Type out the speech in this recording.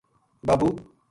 بابو